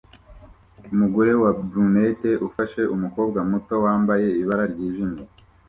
Umugore wa brunette ufashe umukobwa muto wambaye ibara ryijimye